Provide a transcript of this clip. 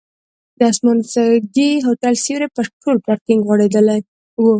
د اسمانځکي هوټل سیوری پر ټول پارکینک غوړېدلی و.